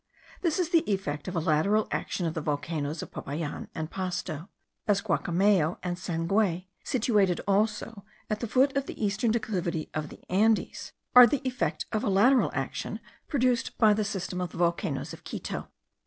This is the effect of a lateral action of the volcanoes of Popayan and Pasto; as Guacamayo and Sangay, situated also at the foot of the eastern declivity of the Andes, are the effect of a lateral action produced by the system of the volcanoes of Quito.